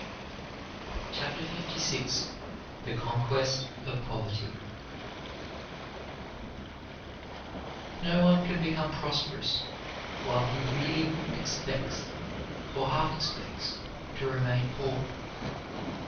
CHAPTER LVI THE CONQUEST OF POVERTY No one can become prosperous while he really expects or half expects to remain poor.